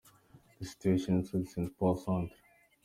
The situation inside Saint Paul Centre